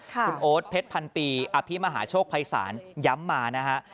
คุณโอ๊ตเพชรพันปีอภิมหาโชคภัยศาลย้ำมานะฮะ